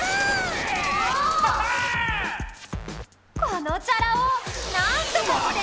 このチャラ男なんとかして！